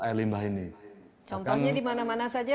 air limbah ini contohnya dimana mana saja